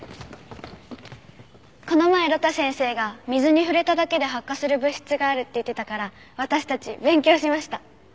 この前呂太先生が水に触れただけで発火する物質があるって言ってたから私たち勉強しました。